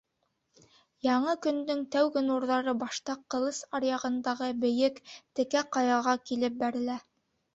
Яңы көндөң тәүге нурҙары башта Ҡылыс аръяғындағы бейек, текә ҡаяға килеп бәрелә.